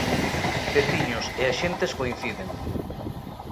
Veciños e axentes coinciden.